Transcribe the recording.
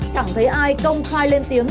chẳng thấy ai công khai lên tiếng